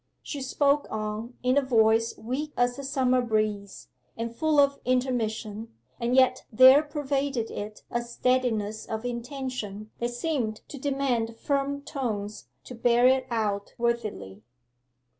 She spoke on in a voice weak as a summer breeze, and full of intermission, and yet there pervaded it a steadiness of intention that seemed to demand firm tones to bear it out worthily.